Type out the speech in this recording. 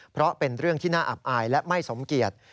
เพราะเป็นเรื่องที่น่าอับอายและไม่สมเกียจ